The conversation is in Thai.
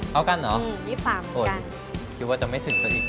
เท่ากันเหรอโหดคิดว่าจะไม่ถึงเธออีก